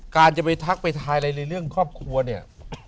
การจะไปทักไปทายอะไรในเรื่องครอบครัวเนี่ย